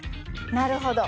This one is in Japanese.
なるほど。